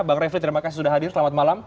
bang refli terima kasih sudah hadir selamat malam